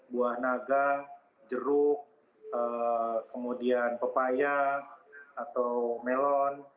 buah naga jeruk kemudian pepaya atau melon